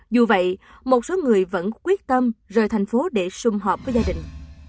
dù vậy một số người vẫn quyết tâm rời thành phố để xung họp với gia đình